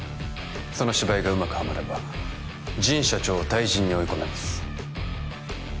その芝居がうまくハマれば神社長を退陣に追い込めます